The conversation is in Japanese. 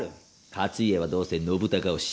勝家はどうせ信孝推し。